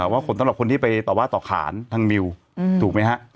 ว่าผลสำหรับคนที่ไปต่อว่าต่อขานทางนิวถูกไหมฮะ